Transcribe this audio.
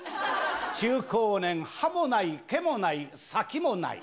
中高年、歯もない、毛もない、先もない。